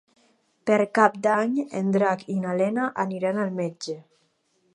Per Cap d'Any en Drac i na Lena aniran al metge.